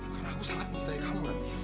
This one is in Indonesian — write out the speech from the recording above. karena aku sangat menyintai kamu ranti